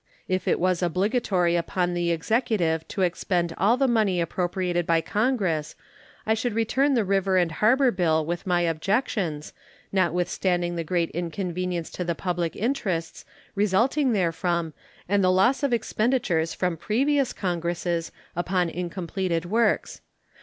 If it was obligatory upon the Executive to expend all the money appropriated by Congress, I should return the river and harbor bill with my objections, notwithstanding the great inconvenience to the public interests resulting therefrom and the loss of expenditures from previous Congresses upon incompleted works.